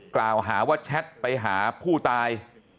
กล่าวหาว่าแชทไปหาผู้ตาย